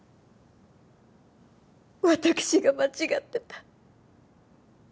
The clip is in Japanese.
私が間違ってた。